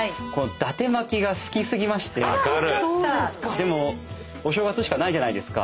でもお正月しかないじゃないですか。